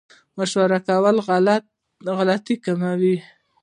مشوره کول غلطي کموي